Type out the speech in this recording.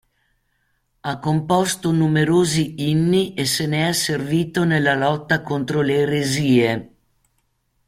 Ha composto numerosi inni e se ne è servito nella lotta contro le eresie.